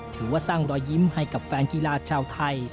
ถือว่าสร้างรอยยิ้มให้กับแฟนกีฬาชาวไทย